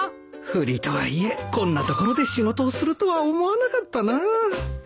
ふりとはいえこんな所で仕事をするとは思わなかったな